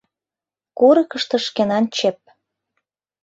Курыкышто шкенан чеп!